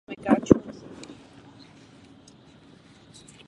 Pracovníci tohoto centra nadále její provoz organizují.